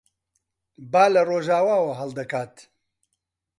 با لە ڕۆژاواوە هەڵدەکات.